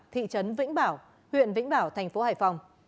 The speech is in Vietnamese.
thị trấn vĩnh bảo huyện vĩnh bảo thành phố hải phòng